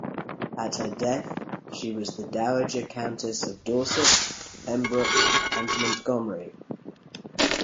At her death she was the Dowager Countess of Dorset, Pembroke, and Montgomery.